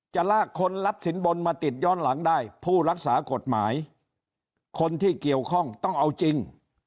ลากคนรับสินบนมาติดย้อนหลังได้ผู้รักษากฎหมายคนที่เกี่ยวข้องต้องเอาจริง